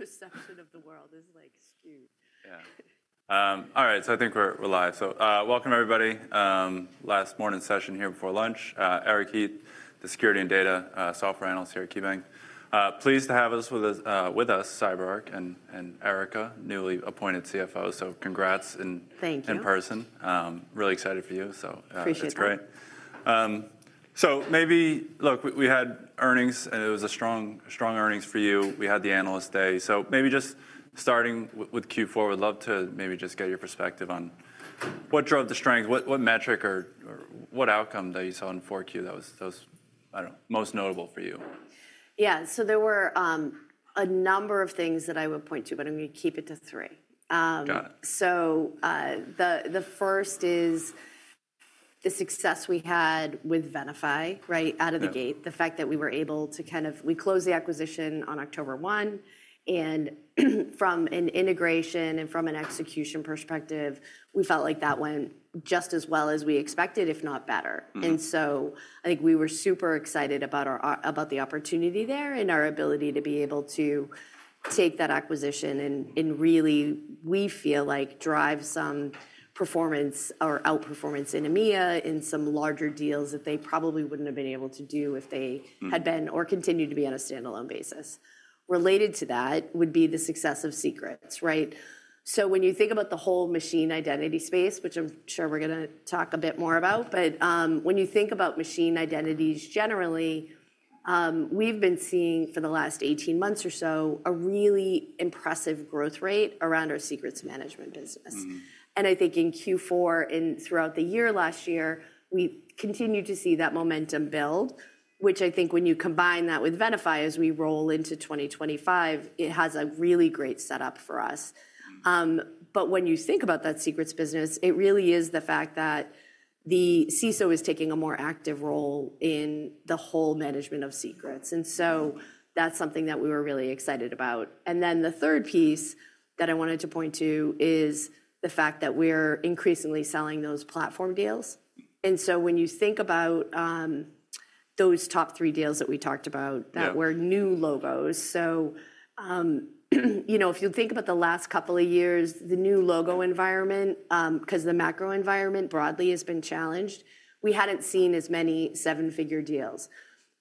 My perception of the world is like skewed. Yeah. All right. So I think we're live. So welcome, everybody. Last morning's session here before lunch. Eric Heath, the Security and Data Software Analyst here at KeyBanc. Pleased to have you with us, CyberArk, and Erica, newly appointed CFO. So congrats in. Thank you. In person. Really excited for you. Appreciate that. So that's great. So maybe look, we had earnings, and it was a strong earnings for you. We had the analyst day. So maybe just starting with Q4, we'd love to maybe just get your perspective on what drove the strength, what metric, or what outcome that you saw in 4Q that was, I don't know, most notable for you. Yeah, so there were a number of things that I would point to, but I'm going to keep it to three. Got it. So the first is the success we had with Venafi right out of the gate, the fact that we were able to close the acquisition on October 1. From an integration and from an execution perspective, we felt like that went just as well as we expected, if not better. I think we were super excited about the opportunity there and our ability to be able to take that acquisition and really, we feel like, drive some performance or outperformance in EMEA in some larger deals that they probably wouldn't have been able to do if they had been or continued to be on a standalone basis. Related to that would be the success of secrets, right? So when you think about the whole machine identity space, which I'm sure we're going to talk a bit more about, but when you think about machine identities generally, we've been seeing for the last 18 months or so a really impressive growth rate around our secrets management business. I think in Q4 and throughout the year last year, we continued to see that momentum build, which I think when you combine that with Venafi as we roll into 2025, it has a really great setup for us. When you think about that secrets business, it really is the fact that the CISO is taking a more active role in the whole management of secrets. That's something that we were really excited about. Then the third piece that I wanted to point to is the fact that we're increasingly selling those platform deals. When you think about those top three deals that we talked about that were new logos, so if you think about the last couple of years, the new logo environment, because the macro environment broadly has been challenged, we hadn't seen as many seven-figure deals.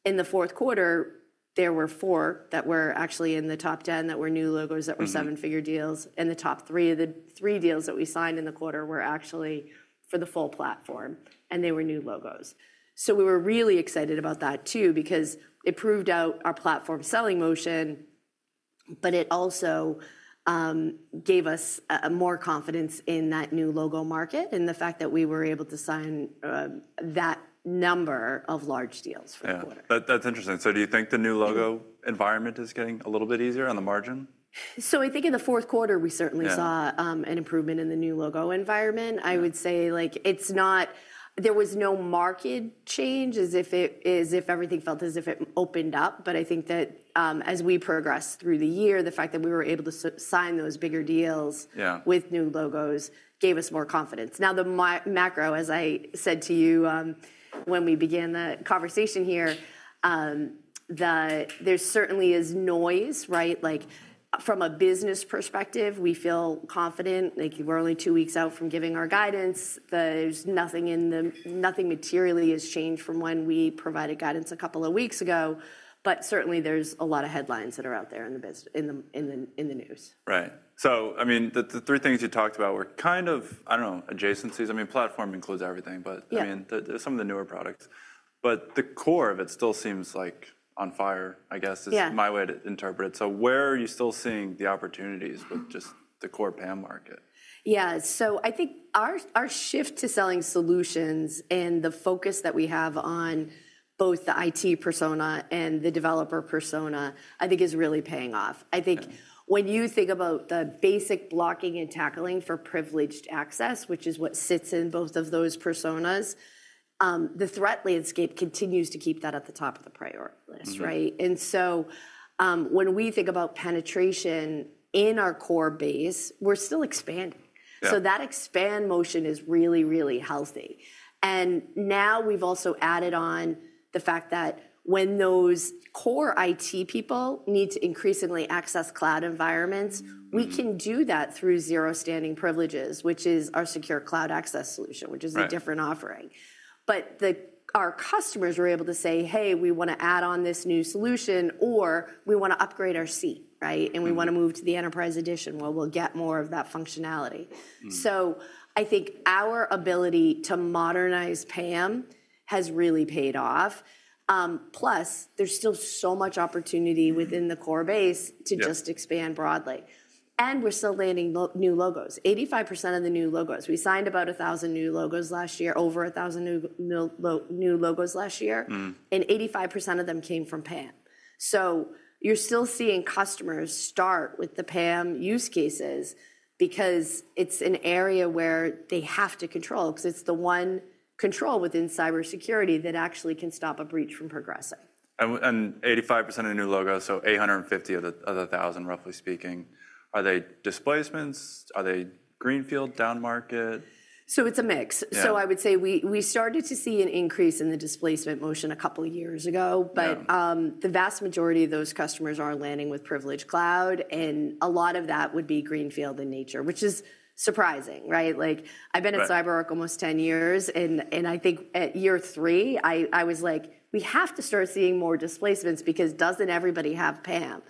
In the fourth quarter, there were four that were actually in the top 10 that were new logos that were seven-figure deals. The top three of the three deals that we signed in the quarter were actually for the full platform, and they were new logos. We were really excited about that too because it proved out our platform selling motion, but it also gave us more confidence in that new logo market and the fact that we were able to sign that number of large deals for the quarter. Yeah. That's interesting. So do you think the new logo environment is getting a little bit easier on the margin? So I think in the fourth quarter, we certainly saw an improvement in the new logo environment. I would say it's not there was no market change as if everything felt as if it opened up, but I think that as we progressed through the year, the fact that we were able to sign those bigger deals with new logos gave us more confidence. Now, the macro, as I said to you when we began the conversation here, there certainly is noise, right? From a business perspective, we feel confident. We're only two weeks out from giving our guidance. There's nothing materially has changed from when we provided guidance a couple of weeks ago, but certainly there's a lot of headlines that are out there in the news. Right. So I mean, the three things you talked about were kind of, I don't know, adjacencies. I mean, platform includes everything, but I mean, there's some of the newer products. The core of it still seems like on fire, I guess, is my way to interpret it. So where are you still seeing the opportunities with just the core PAM market? Yeah. So I think our shift to selling solutions and the focus that we have on both the IT persona and the developer persona, I think, is really paying off. I think when you think about the basic blocking and tackling for privileged access, which is what sits in both of those personas, the threat landscape continues to keep that at the top of the priority list, right? When we think about penetration in our core base, we're still expanding. So that expand motion is really, really healthy. Now we've also added on the fact that when those core IT people need to increasingly access cloud environments, we can do that through Zero Standing Privileges, which is our Secure Cloud Access solution, which is a different offering. Our customers were able to say, "Hey, we want to add on this new solution," or, "We want to upgrade our seat," right? "We want to move to the enterprise edition where we'll get more of that functionality." So I think our ability to modernize PAM has really paid off. Plus, there's still so much opportunity within the core base to just expand broadly. We're still landing new logos, 85% of the new logos. We signed about 1,000 new logos last year, over 1,000 new logos last year, and 85% of them came from PAM. So you're still seeing customers start with the PAM use cases because it's an area where they have to control because it's the one control within cybersecurity that actually can stop a breach from progressing. 85% of new logos, so 850 of the 1,000, roughly speaking. Are they displacements? Are they greenfield, down market? So it's a mix. So I would say we started to see an increase in the displacement motion a couple of years ago, but the vast majority of those customers are landing with Privileged Cloud, and a lot of that would be greenfield in nature, which is surprising, right? I've been at CyberArk almost 10 years, and I think at year three, I was like, "We have to start seeing more displacements because doesn't everybody have PAM?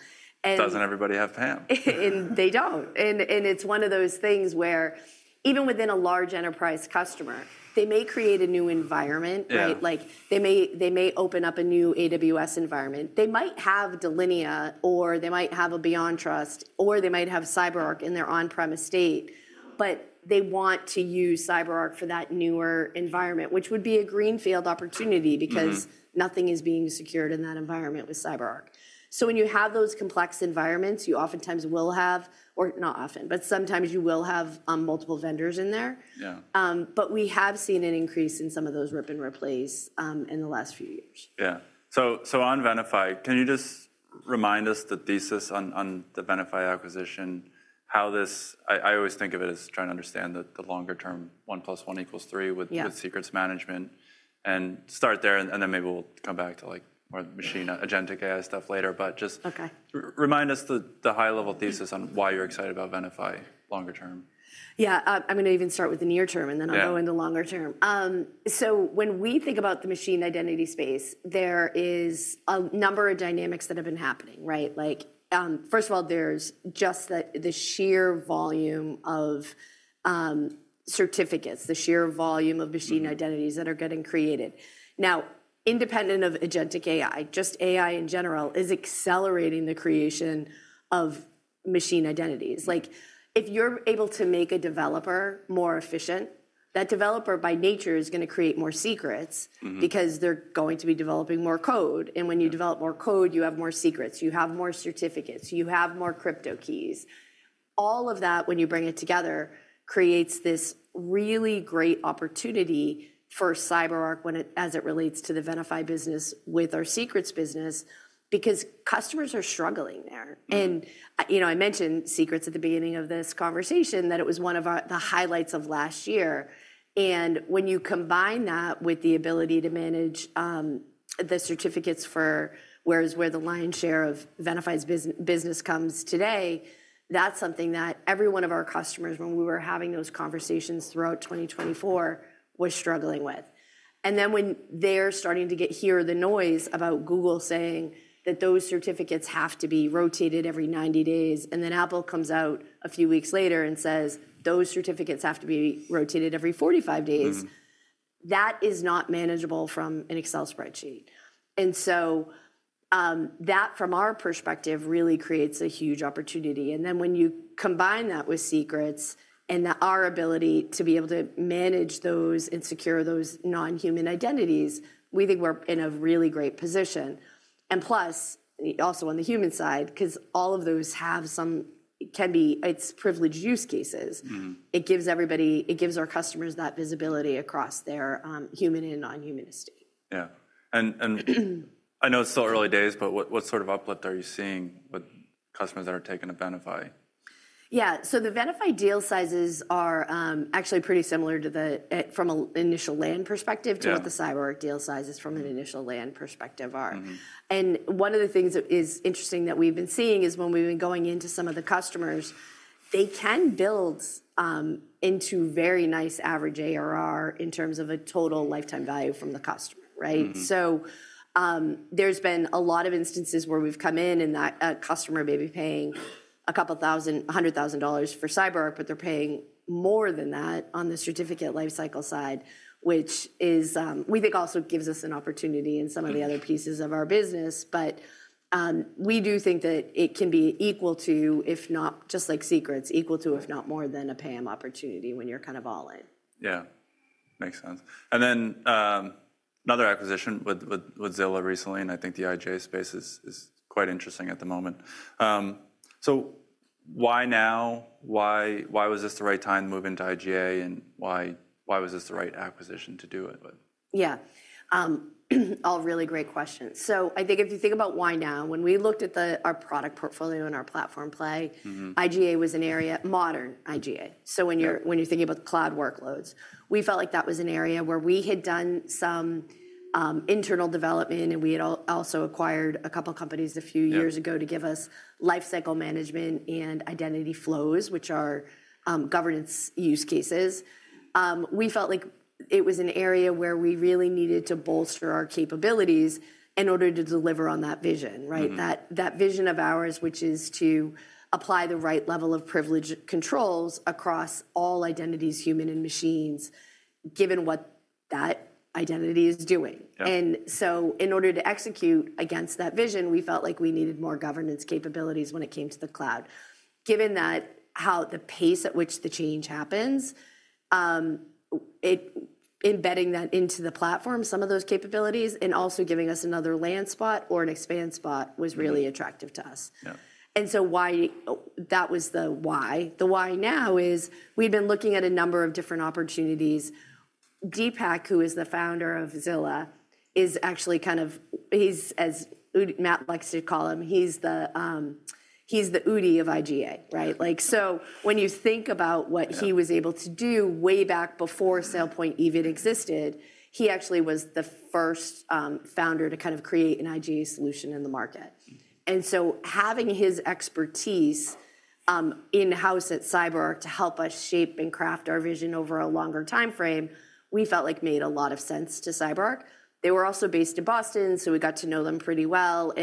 Doesn't everybody have PAM? They don't. It's one of those things where even within a large enterprise customer, they may create a new environment, right? They may open up a new AWS environment. They might have Delinea, or they might have a BeyondTrust, or they might have CyberArk in their on-prem estate, but they want to use CyberArk for that newer environment, which would be a greenfield opportunity because nothing is being secured in that environment with CyberArk. So when you have those complex environments, you oftentimes will have, or not often, but sometimes you will have multiple vendors in there. We have seen an increase in some of those rip and replace in the last few years. Yeah. So on Venafi, can you just remind us the thesis on the Venafi acquisition, how this I always think of it as trying to understand the longer term 1+1=3 with secrets management and start there, and then maybe we'll come back to more machine agentic AI stuff later, but just remind us the high-level thesis on why you're excited about Venafi longer term. Yeah. I'm going to even start with the near term, and then I'll go into longer term. So when we think about the machine identity space, there is a number of dynamics that have been happening, right? First of all, there's just the sheer volume of certificates, the sheer volume of machine identities that are getting created. Now, independent of agentic AI, just AI in general is accelerating the creation of machine identities. If you're able to make a developer more efficient, that developer by nature is going to create more secrets because they're going to be developing more code. When you develop more code, you have more secrets. You have more certificates. You have more crypto keys. All of that, when you bring it together, creates this really great opportunity for CyberArk as it relates to the Venafi business with our secrets business because customers are struggling there. I mentioned secrets at the beginning of this conversation that it was one of the highlights of last year. When you combine that with the ability to manage the certificates for where the lion's share of Venafi's business comes today, that's something that every one of our customers, when we were having those conversations throughout 2024, was struggling with. Then when they're starting to hear the noise about Google saying that those certificates have to be rotated every 90 days, and then Apple comes out a few weeks later and says, "Those certificates have to be rotated every 45 days," that is not manageable from an Excel spreadsheet. So that, from our perspective, really creates a huge opportunity. Then when you combine that with secrets and our ability to be able to manage those and secure those non-human identities, we think we're in a really great position. Plus, also on the human side because all of those can be its privileged use cases. It gives our customers that visibility across their human and non-human estate. Yeah, and I know it's still early days, but what sort of uplift are you seeing with customers that are taking a Venafi? Yeah. So the Venafi deal sizes are actually pretty similar from an initial land perspective to what the CyberArk deal sizes from an initial land perspective are. One of the things that is interesting that we've been seeing is when we've been going into some of the customers, they can build into very nice average ARR in terms of a total lifetime value from the customer, right? So there's been a lot of instances where we've come in and that customer may be paying a couple thousand, $100,000 for CyberArk, but they're paying more than that on the certificate lifecycle side, which we think also gives us an opportunity in some of the other pieces of our business. We do think that it can be equal to, if not just like secrets, equal to, if not more than a PAM opportunity when you're kind of all in. Yeah. Makes sense, and then another acquisition with Zilla recently, and I think the IGA space is quite interesting at the moment, so why now? Why was this the right time to move into IGA, and why was this the right acquisition to do it? Yeah. All really great questions. So I think if you think about why now, when we looked at our product portfolio and our platform play, IGA was an area modern IGA. So when you're thinking about the cloud workloads, we felt like that was an area where we had done some internal development, and we had also acquired a couple of companies a few years ago to give us lifecycle management and identity flows, which are governance use cases. We felt like it was an area where we really needed to bolster our capabilities in order to deliver on that vision, right? That vision of ours, which is to apply the right level of privilege controls across all identities, human and machines, given what that identity is doing. In order to execute against that vision, we felt like we needed more governance capabilities when it came to the cloud. Given that how the pace at which the change happens, embedding that into the platform, some of those capabilities, and also giving us another land spot or an expand spot was really attractive to us. That was the why. The why now is we've been looking at a number of different opportunities. Deepak, who is the founder of Zilla, is actually kind of, as Matt likes to call him, he's the Udi of IGA, right? So when you think about what he was able to do way back before SailPoint even existed, he actually was the first founder to kind of create an IGA solution in the market. Having his expertise in-house at CyberArk to help us shape and craft our vision over a longer time frame, we felt like made a lot of sense to CyberArk. They were also based in Boston, so we got to know them pretty well.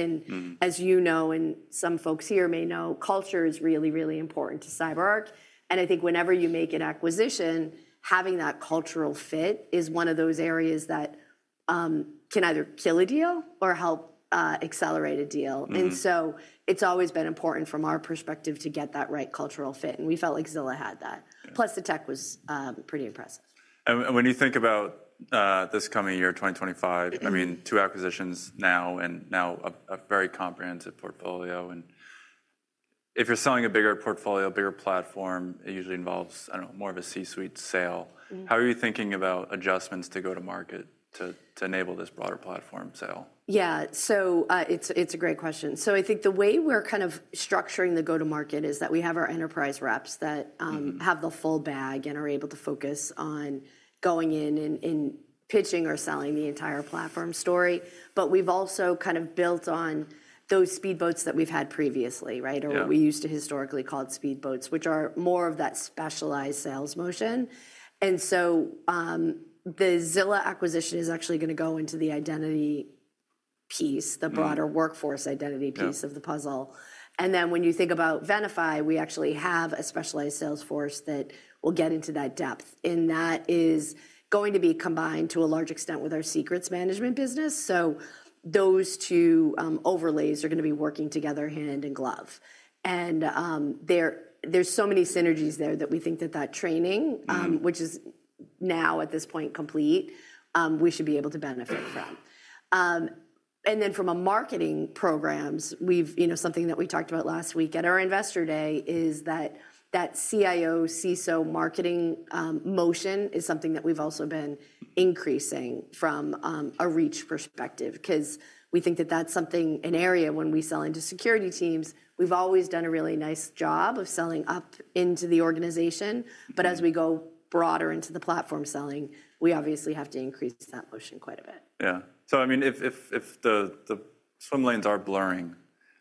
As you know, and some folks here may know, culture is really, really important to CyberArk. I think whenever you make an acquisition, having that cultural fit is one of those areas that can either kill a deal or help accelerate a deal. It's always been important from our perspective to get that right cultural fit. We felt like Zilla had that. Plus, the tech was pretty impressive. When you think about this coming year, 2025, I mean, two acquisitions now and now a very comprehensive portfolio. If you're selling a bigger portfolio, a bigger platform, it usually involves, I don't know, more of a C-suite sale. How are you thinking about adjustments to go-to-market to enable this broader platform sale? Yeah. So it's a great question, so I think the way we're kind of structuring the go-to-market is that we have our enterprise reps that have the full bag and are able to focus on going in and pitching or selling the entire platform story, but we've also kind of built on those speedboats that we've had previously, right? Or what we used to historically call speedboats, which are more of that specialized sales motion, and so the Zilla acquisition is actually going to go into the identity piece, the broader workforce identity piece of the puzzle, and then when you think about Venafi, we actually have a specialized sales force that will get into that depth, and that is going to be combined to a large extent with our secrets management business, so those two overlays are going to be working together hand in glove. And there's so many synergies there that we think that that training, which is now at this point complete, we should be able to benefit from. Then from a marketing programs, something that we talked about last week at our investor day is that that CIO CISO marketing motion is something that we've also been increasing from a reach perspective because we think that that's something, an area when we sell into security teams, we've always done a really nice job of selling up into the organization. As we go broader into the platform selling, we obviously have to increase that motion quite a bit. Yeah. So I mean, if the swim lanes are blurring,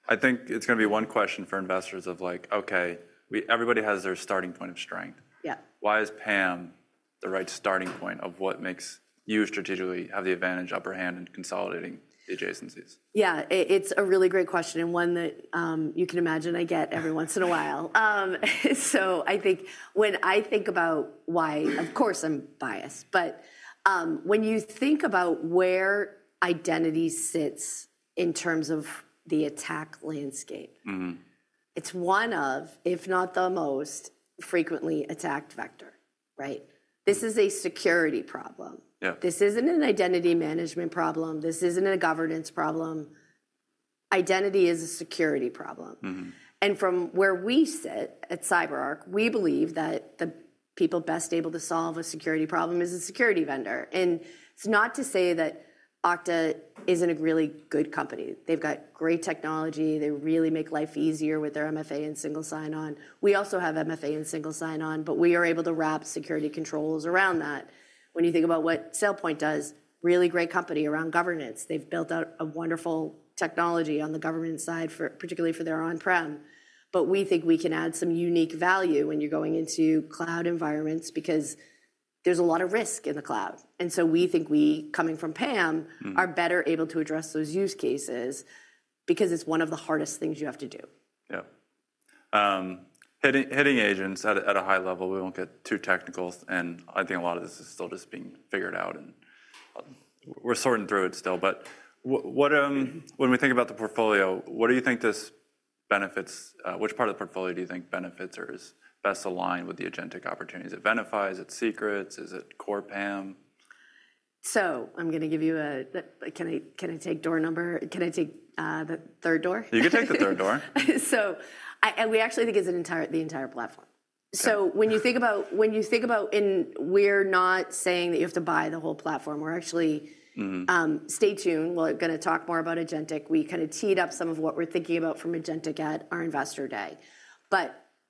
I think it's going to be one question for investors of like, "Okay, everybody has their starting point of strength. Why is PAM the right starting point of what makes you strategically have the advantage, upper hand, and consolidating the adjacencies? Yeah. It's a really great question and one that you can imagine I get every once in a while. So I think when I think about why, of course, I'm biased, but when you think about where identity sits in terms of the attack landscape, it's one of, if not the most frequently attacked vector, right? This is a security problem. This isn't an identity management problem. This isn't a governance problem. Identity is a security problem. From where we sit at CyberArk, we believe that the people best able to solve a security problem is a security vendor. It's not to say that Okta isn't a really good company. They've got great technology. They really make life easier with their MFA and single sign-on. We also have MFA and single sign-on, but we are able to wrap security controls around that. When you think about what SailPoint does, really great company around governance. They've built out a wonderful technology on the governance side, particularly for their on-prem. We think we can add some unique value when you're going into cloud environments because there's a lot of risk in the cloud. We think we, coming from PAM, are better able to address those use cases because it's one of the hardest things you have to do. Yeah. Hitting agents at a high level, we won't get too technical, and I think a lot of this is still just being figured out, and we're sorting through it still, but when we think about the portfolio, what do you think this benefits? Which part of the portfolio do you think benefits or is best aligned with the agentic opportunities? Is it Venafi? Is it secrets? Is it core PAM? So, I'm going to give you a can I take door number? Can I take the third door? You can take the third door. So we actually think it's the entire platform. So when you think about and we're not saying that you have to buy the whole platform. We're actually stay tuned. We're going to talk more about agentic. We kind of teed up some of what we're thinking about from agentic at our investor day.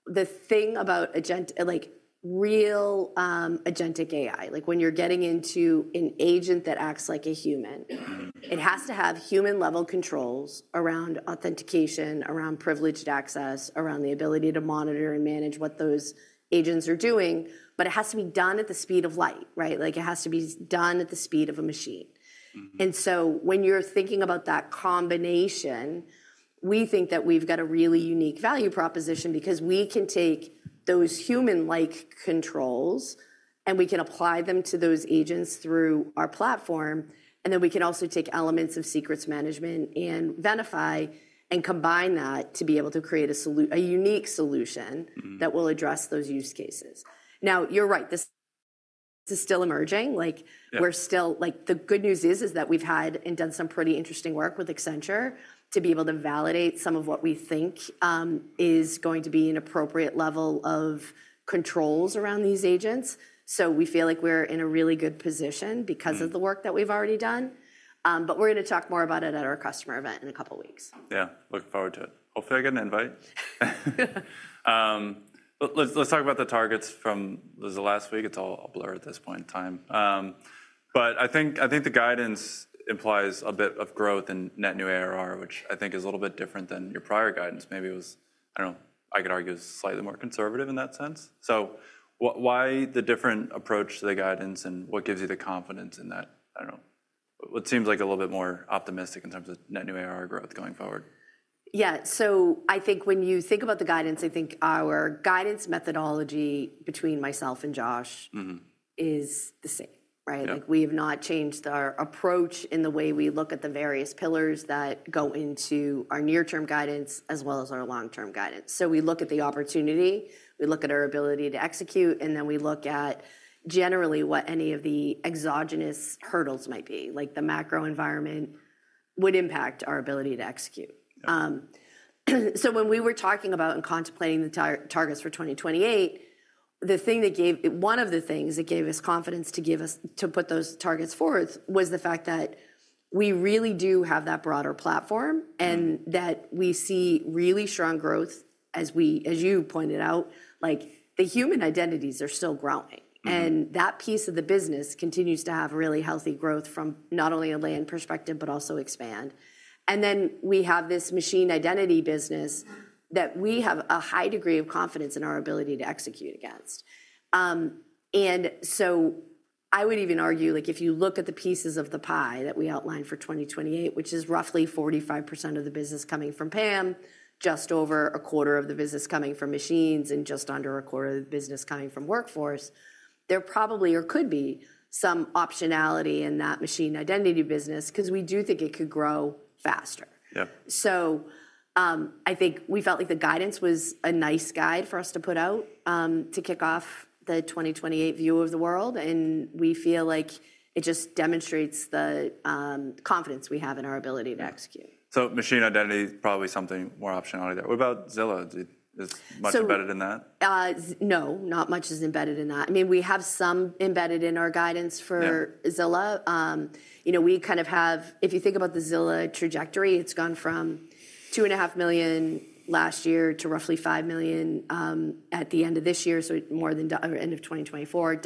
The thing about real agentic AI, like when you're getting into an agent that acts like a human, it has to have human-level controls around authentication, around privileged access, around the ability to monitor and manage what those agents are doing. It has to be done at the speed of light, right? It has to be done at the speed of a machine. When you're thinking about that combination, we think that we've got a really unique value proposition because we can take those human-like controls and we can apply them to those agents through our platform. Then we can also take elements of secrets management and Venafi and combine that to be able to create a unique solution that will address those use cases. Now, you're right. This is still emerging. The good news is that we've had and done some pretty interesting work with Accenture to be able to validate some of what we think is going to be an appropriate level of controls around these agents. So we feel like we're in a really good position because of the work that we've already done. We're going to talk more about it at our customer event in a couple of weeks. Yeah. Looking forward to it. Hopefully, I get an invite. Let's talk about the targets from the last week. It's all blurred at this point in time, but I think the guidance implies a bit of growth in net new ARR, which I think is a little bit different than your prior guidance. Maybe it was, I don't know, I could argue it was slightly more conservative in that sense. So why the different approach to the guidance and what gives you the confidence in that? I don't know. What seems like a little bit more optimistic in terms of net new ARR growth going forward? Yeah. So I think when you think about the guidance, I think our guidance methodology between myself and Josh is the same, right? We have not changed our approach in the way we look at the various pillars that go into our near-term guidance as well as our long-term guidance. So we look at the opportunity, we look at our ability to execute, and then we look at generally what any of the exogenous hurdles might be, like the macro environment would impact our ability to execute. So when we were talking about and contemplating the targets for 2028, one of the things that gave us confidence to put those targets forward was the fact that we really do have that broader platform and that we see really strong growth as you pointed out. The human identities are still growing. That piece of the business continues to have really healthy growth from not only a land perspective, but also expand. Then we have this machine identity business that we have a high degree of confidence in our ability to execute against. I would even argue if you look at the pieces of the pie that we outlined for 2028, which is roughly 45% of the business coming from PAM, just over a quarter of the business coming from machines, and just under a quarter of the business coming from workforce, there probably or could be some optionality in that machine identity business because we do think it could grow faster. So I think we felt like the guidance was a nice guide for us to put out to kick off the 2028 view of the world. We feel like it just demonstrates the confidence we have in our ability to execute. So machine identity is probably something more optionality there. What about Zilla? Is much embedded in that? No, not much is embedded in that. I mean, we have some embedded in our guidance for Zilla. We kind of have, if you think about the Zilla trajectory, it's gone from $2.5 million last year to roughly $5 million at the end of this year, so more than doubled end of 2024.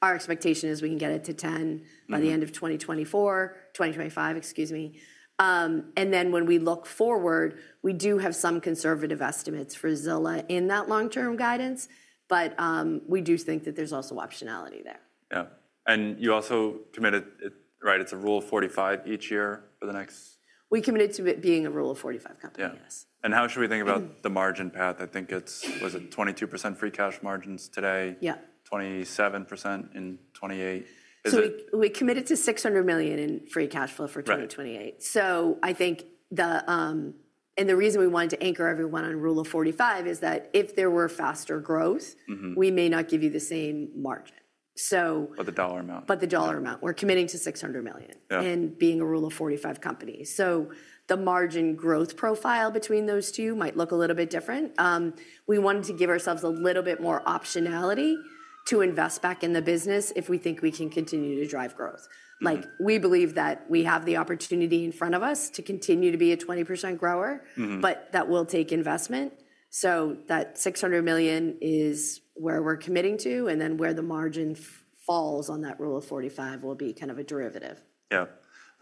Our expectation is we can get it to $10 million by the end of 2024, 2025, excuse me. Then when we look forward, we do have some conservative estimates for Zilla in that long-term guidance, but we do think that there's also optionality there. Yeah, and you also committed, right? It's a Rule of 45 each year for the next. We committed to it being a Rule of 45 company, yes. How should we think about the margin path? I think it was 22% free cash margins today, 27% in 2028. So we committed to $600 million in free cash flow for 2028. So I think the reason we wanted to anchor everyone on Rule of 45 is that if there were faster growth, we may not give you the same margin. The dollar amount. The dollar amount. We're committing to $600 million and being a Rule of 45 company. So the margin growth profile between those two might look a little bit different. We wanted to give ourselves a little bit more optionality to invest back in the business if we think we can continue to drive growth. We believe that we have the opportunity in front of us to continue to be a 20% grower, but that will take investment. So that $600 million is where we're committing to, and then where the margin falls on that Rule of 45 will be kind of a derivative. Yeah.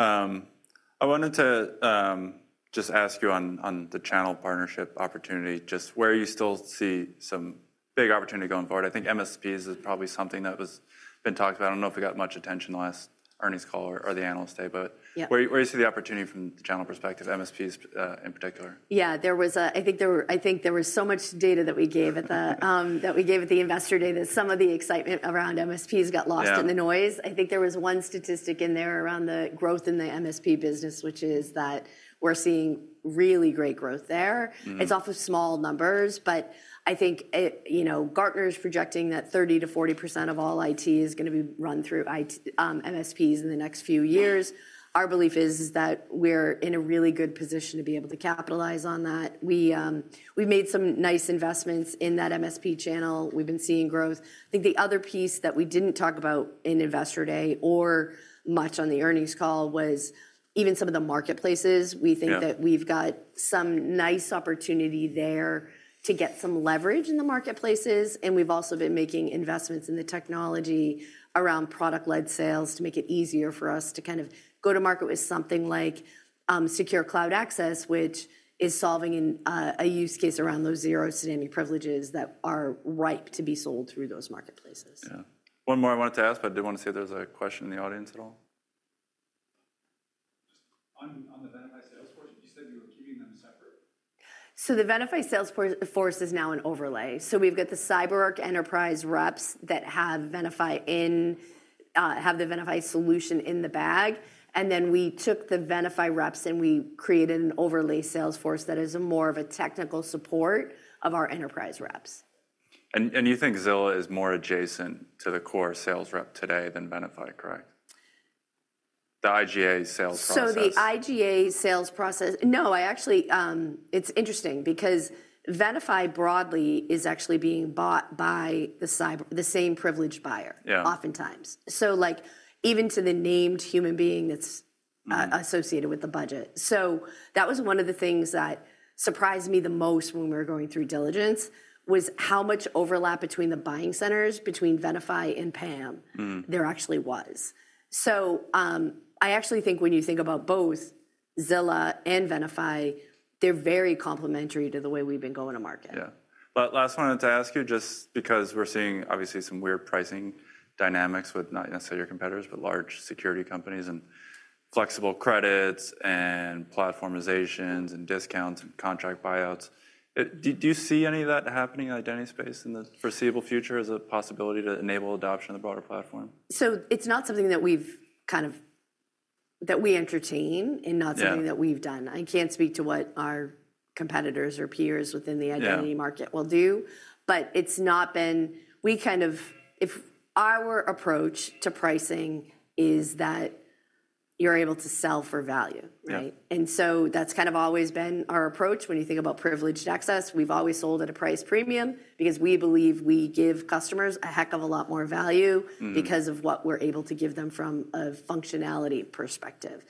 I wanted to just ask you on the channel partnership opportunity, just where you still see some big opportunity going forward. I think MSPs is probably something that has been talked about. I don't know if we got much attention last earnings call or the analyst day, but where you see the opportunity from the channel perspective, MSPs in particular? Yeah. I think there was so much data that we gave at the investor day that some of the excitement around MSPs got lost in the noise. I think there was one statistic in there around the growth in the MSP business, which is that we're seeing really great growth there. It's off of small numbers, but I think Gartner is projecting that 30%-40% of all IT is going to be run through MSPs in the next few years. Our belief is that we're in a really good position to be able to capitalize on that. We've made some nice investments in that MSP channel. We've been seeing growth. I think the other piece that we didn't talk about in investor day or much on the earnings call was even some of the marketplaces. We think that we've got some nice opportunity there to get some leverage in the marketplaces, and we've also been making investments in the technology around product-led sales to make it easier for us to kind of go to market with something like Secure Cloud Access, which is solving a use case around those zero standing privileges that are ripe to be sold through those marketplaces. Yeah. One more I wanted to ask, but I didn't want to see if there's a question in the audience at all. On the Venafi Salesforce, did you say you were keeping them separate? So the Venafi sales force is now an overlay. So we've got the CyberArk Enterprise reps that have the Venafi solution in the bag. Then we took the Venafi reps and we created an overlay sales force that is more of a technical support of our enterprise reps. You think Zilla is more adjacent to the core sales rep today than Venafi, correct? The IGA sales process. I actually, it's interesting because Venafi broadly is actually being bought by the same privileged buyer oftentimes. So even to the named human being that's associated with the budget. So that was one of the things that surprised me the most when we were going through diligence was how much overlap between the buying centers between Venafi and PAM there actually was. So I actually think when you think about both Zilla and Venafi, they're very complementary to the way we've been going to market. Yeah. Last one I wanted to ask you, just because we're seeing obviously some weird pricing dynamics with not necessarily your competitors, but large security companies and flexible credits and platformizations and discounts and contract buyouts. Do you see any of that happening in the identity space in the foreseeable future as a possibility to enable adoption of the broader platform? So it's not something that we entertain and not something that we've done. I can't speak to what our competitors or peers within the identity market will do, but it's not been our approach to pricing is that you're able to sell for value, right? That's kind of always been our approach. When you think about privileged access, we've always sold at a price premium because we believe we give customers a heck of a lot more value because of what we're able to give them from a functionality perspective.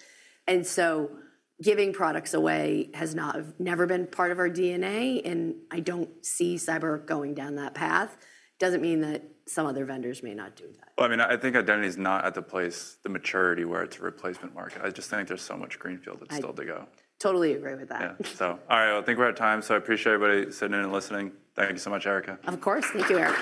Giving products away has never been part of our DNA, and I don't see CyberArk going down that path. Doesn't mean that some other vendors may not do that. Well, I mean, I think identity is not at the place, the maturity where it's a replacement market. I just think there's so much greenfield that's still to go. I totally agree with that. Yeah. So all right. I think we're out of time. So I appreciate everybody sitting in and listening. Thank you so much, Erica. Of course. Thank you, Eric.